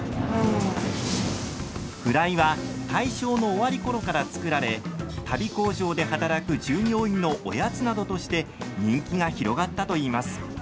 フライは大正の終わりころから作られ足袋工場で働く従業員のおやつなどとして人気が広がったといいます。